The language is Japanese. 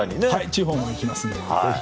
地方も行きますんでぜひ。